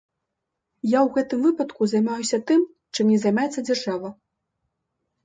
Я ў гэтым выпадку займаюся тым, чым не займаецца дзяржава.